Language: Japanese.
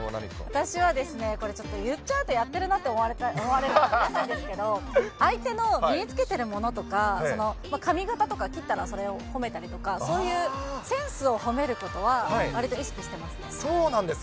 私はですね、これちょっと、言っちゃうと、やってるなと思われたら困るんですけど、相手の身につけてるものとか、髪形とか、切ったらそれを褒めたりとか、そういうセンスを褒めることは、そうなんですか。